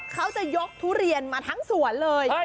เขาจะยกทุเรียนมาทั้งสวนเลย